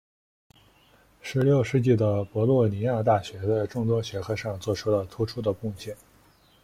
十六世纪的博洛尼亚大学在众多学科上做出了突出的贡献。